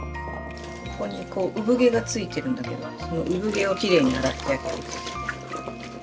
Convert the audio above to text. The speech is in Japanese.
ここにこう産毛がついてるんだけどその産毛をきれいに洗ってあげる。